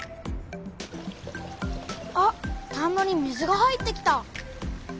あ田んぼに水が入ってきた。